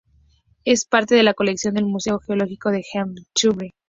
Es parte de la colección del Museo Geológico de Henan en Zhengzhou.